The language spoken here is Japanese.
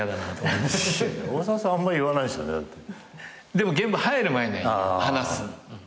でも現場入る前には言う話す。